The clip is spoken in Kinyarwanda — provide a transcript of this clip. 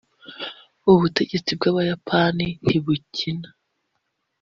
ubutegetsi bw abayapani ntibukina